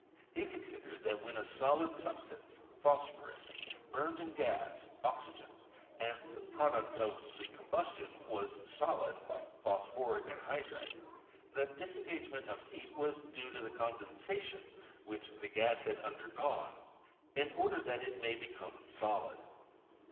He considered that when a solid sub stance (phosphorus) burned in gas (oxygen), and the product of the combustion was solid (phosphoric anhy dride), the disengagement of heat was due to the conden sation which the gas had undergone, in order that it may become solid.